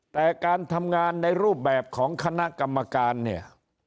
แต่การทำงานในรูปแบบของคณะกรรมการเนี่ย